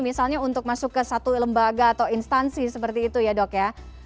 misalnya untuk masuk ke satu lembaga atau instansi seperti itu ya dok ya